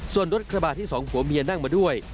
ส่วนรถกระบาดที่สองผัวเมียนั่งมาด้วย